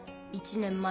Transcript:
１年前。